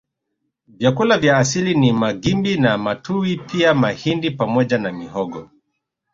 Vyakula vya asili ni magimbi na matuwi pia mahindi pamoja na mihogo